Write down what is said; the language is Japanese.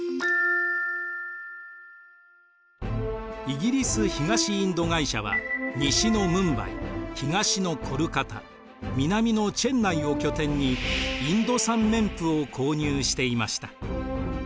イギリス東インド会社は西のムンバイ東のコルカタ南のチェンナイを拠点にインド産綿布を購入していました。